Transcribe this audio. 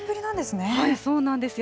そうなんですよ。